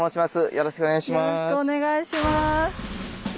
よろしくお願いします。